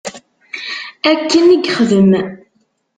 Akken i yexdem.